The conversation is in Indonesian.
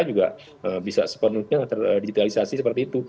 juga bisa sepenuhnya terdigitalisasi seperti itu